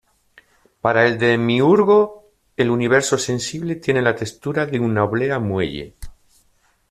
Para el demiurgo, el universo sensible tiene la textura de una oblea muelle.